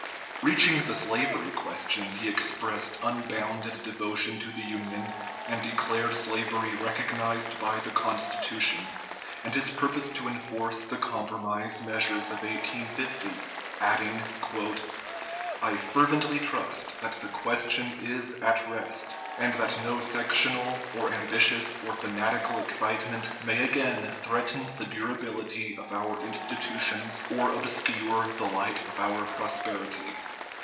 Reaching the slavery question, he expressed unbounded devotion to the Union, and declared slavery recognized by the Constitution, and his purpose to enforce the compromise measures of 1850, adding, "I fervently trust that the question is at rest, and that no sectional or ambitious or fanatical excitement may again threaten the durability of our institutions, or obscure the light of our prosperity."